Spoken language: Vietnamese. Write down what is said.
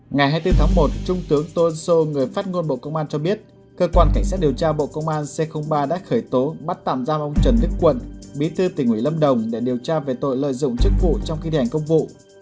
ngày hai mươi bốn tháng một trung tướng tô ân sô người phát ngôn bộ công an cho biết cơ quan cảnh sát điều tra bộ công an c ba đã khởi tố bắt tạm giam ông trần đức quận bí thư tỉnh ủy lâm đồng để điều tra về tội lợi dụng chức vụ trong khi thi hành công vụ